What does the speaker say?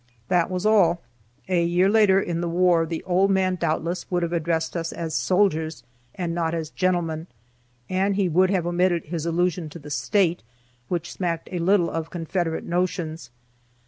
That was all. A year later in the war the old man doubtless would have addressed us as "soldiers," and not as "gentlemen," and he would have omitted his allusion to the "State," which smacked a little of Confederate notions.